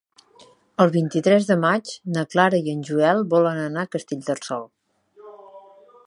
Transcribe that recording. El vint-i-tres de maig na Clara i en Joel volen anar a Castellterçol.